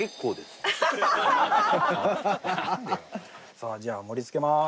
さあじゃあ盛り付けます。